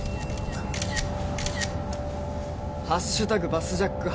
バスジャック＃